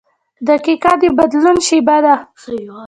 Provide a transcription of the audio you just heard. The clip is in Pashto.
• دقیقه د بدلون شیبه ده.